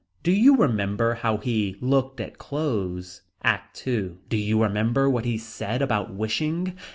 Do you remember how he looked at clothes. ACT II. Do you remember what he said about wishing.